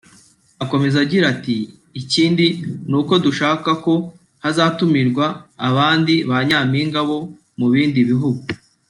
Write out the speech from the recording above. Akomeza agira ati “Ikindi ni uko dushaka ko hazatumirwa abandi ba Nyampinga bo mu bindi bihugu